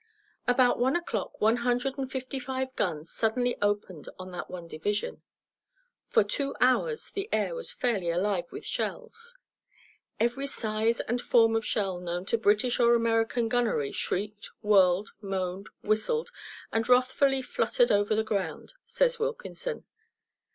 About one o'clock one hundred and fifty five guns suddenly opened on that one division. For two hours the air was fairly alive with shells. Every size and form of shell known to British or American gunnery shrieked, whirled, moaned, whistled and wrathfully fluttered over the ground, says Wilkinson.